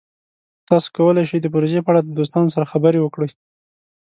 تاسو کولی شئ د پروژې په اړه د دوستانو سره خبرې وکړئ.